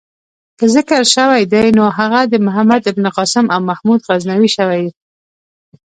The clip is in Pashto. که ذکر شوی دی نو هغه د محمد بن قاسم او محمود غزنوي شوی.